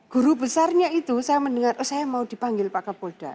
guru besarnya itu saya mendengar oh saya mau dipanggil pak kapolda